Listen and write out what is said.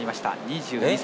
２２歳。